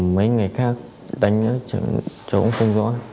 mấy ngày khác đánh chỗ không rõ